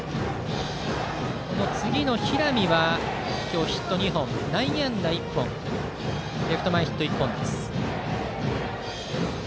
この次の平見は今日ヒット２本内野安打１本レフト前ヒット１本です。